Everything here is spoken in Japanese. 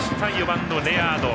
４番のレアード。